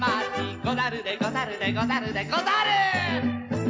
「ござるでござるでござるでござる」